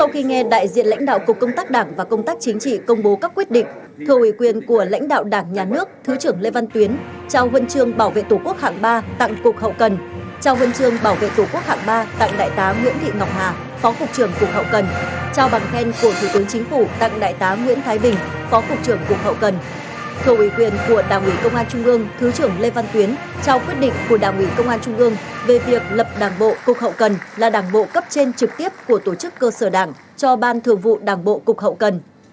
thiếu tướng lê văn tuyến ủy viên ban thường vụ đảng ủy công an trung ương thứ trưởng lê văn tuyến trao quyết định của đảng ủy công an trung ương về việc lập đảng bộ cục hậu cần là đảng bộ cấp trên trực tiếp của tổ chức cơ sở đảng cho ban thường vụ đảng bộ cục hậu cần